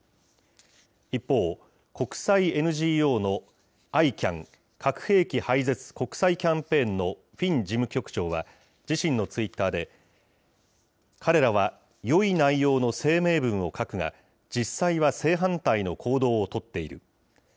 一方、国際ＮＧＯのＩＣＡＮ・核兵器廃絶国際キャンペーンのフィン事務局長は、自身のツイッターで、彼らはよい内容の声明文を書くが、実際は正反対の行動を取っている。